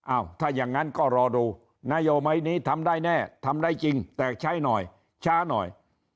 ถ้าอย่างนั้นก็รอดูนโยบายนี้ทำได้แน่ทำได้จริงแต่ใช้หน่อยช้าหน่อย